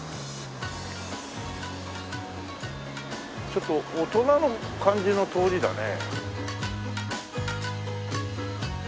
ちょっと大人の感じの通りだね。